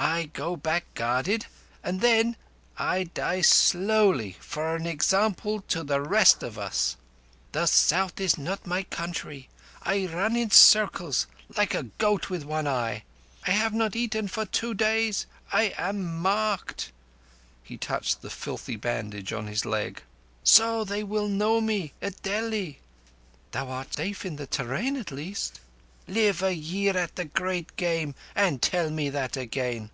I go back guarded, and then—I die slowly for an example to the rest of Us. The South is not my country. I run in circles—like a goat with one eye. I have not eaten for two days. I am marked"—he touched the filthy bandage on his leg—"so that they will know me at Delhi." "Thou art safe in the te rain, at least." "Live a year at the Great Game and tell me that again!